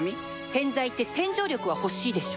洗剤って洗浄力は欲しいでしょ